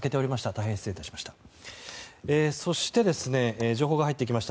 大変失礼致しました。